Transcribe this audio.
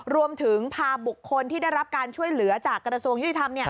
รวมถึงพาบุคคลที่ได้รับการช่วยเหลือจากกระทรวงยุติธรรม